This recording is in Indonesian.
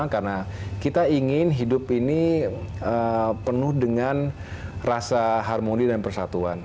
karena kita ingin hidup ini penuh dengan rasa harmoni dan persatuan